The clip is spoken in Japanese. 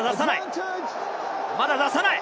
まだ出さない。